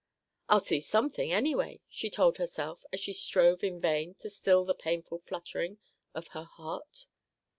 "I'll see something, anyway," she told herself as she strove in vain to still the painful fluttering of her heart.